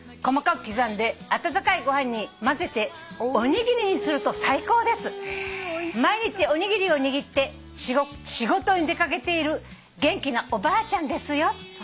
「細かく刻んで温かいご飯に混ぜておにぎりにすると最高です」「毎日おにぎりを握って仕事に出掛けている元気なおばあちゃんですよ」